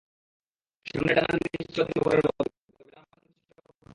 সামনের ডানার নিচটাও দেখতে ওপরের মতোই, তবে ডানার মাঝামাঝি কিছু ফোঁটা থাকে।